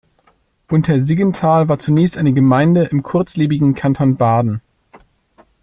Untersiggenthal war zunächst eine Gemeinde im kurzlebigen Kanton Baden.